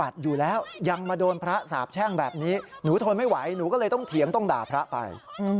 ต้องด่าพระไป